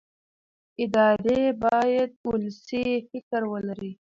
ادارې باید ولسي فکر ولري